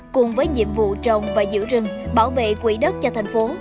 cùng với nhiệm vụ trồng và giữ rừng bảo vệ quỹ đất cho thành phố